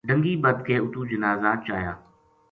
ڈَنگی بَدھ کے اُتو جنازہ چایا